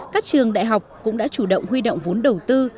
các trường đại học cũng đã chủ động huy động vốn đầu tư